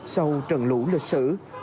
sau trận lũ lịch sử